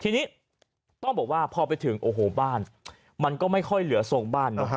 ทีนี้ต้องบอกว่าพอไปถึงโอ้โหบ้านมันก็ไม่ค่อยเหลือทรงบ้านเนอะ